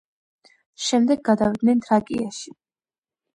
შემდეგ გადავიდნენ თრაკიაში.